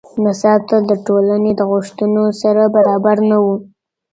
نصاب تل د ټولنې دغوښتنو سره برابر نه و.